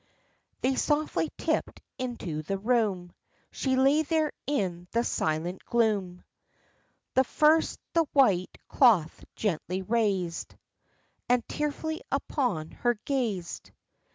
They softly tipped into the room; She lay there in the silent gloom. The first the white cloth gently raised, And tearfully upon her gazed.